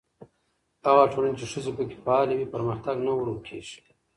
هغه ټولنه چې ښځې پکې فعاله وي، پرمختګ نه ورو کېږي.